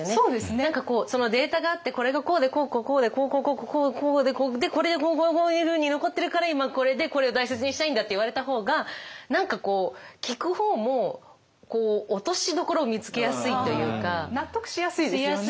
何かこうそのデータがあってこれがこうでこうこうこうでこうこうこうこうでこれでこうこうこういうふうに残ってるから今これでこれを大切にしたいんだって言われた方が何かこう聞く方も納得しやすいですよね。